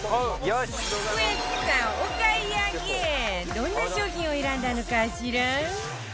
どんな商品を選んだのかしら？